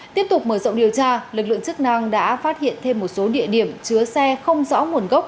tiếp tục mở rộng điều tra lực lượng chức năng đã phát hiện thêm một số địa điểm chứa xe không rõ nguồn gốc